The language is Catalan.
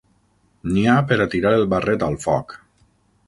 N'hi ha per a tirar el barret al foc.